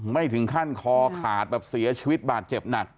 ไม่ถึงขั้นคอขาดแบบเสียชีวิตบาดเจ็บหนัก